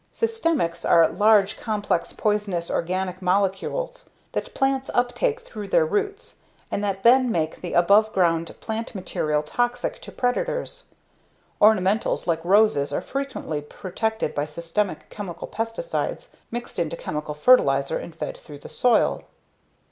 Systemics are large, complex poisonous organic molecules that plants uptake through their roots and that then make the above ground plant material toxic to predators. Ornamentals, like roses, are frequently protected by systemic chemical pesticides mixed into chemical fertilizer and fed through the soil.